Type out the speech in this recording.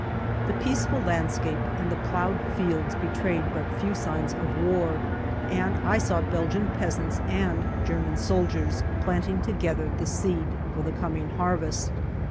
The peaceful landscape and the ploughed fields betrayed but few signs of war, and I saw Belgian peasants and German soldiers planting together the seed for the coming harvest.